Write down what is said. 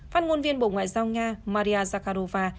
phát ngôn viên bộ ngoại giao nga maria zakharova